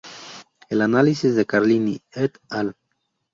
El análisis de Carlini "et al.